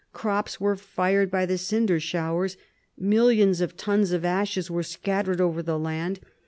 Crops were fired by the cinder showers. Millions of tons of ashes were scattered over the land.